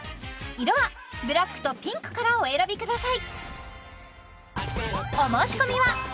色はブラックとピンクからお選びください